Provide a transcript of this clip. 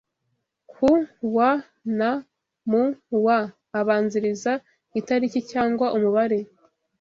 ku wa na mu wa abanziriza itariki cyangwa umubare